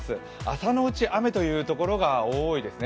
朝のうち、雨というところが多いですね。